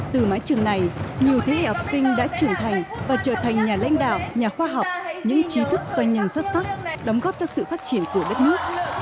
từ mái trường này nhiều thế hệ học sinh đã trưởng thành và trở thành nhà lãnh đạo nhà khoa học những trí thức doanh nhân xuất sắc đóng góp cho sự phát triển của đất nước